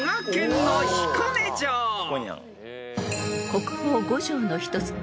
［国宝５城の一つ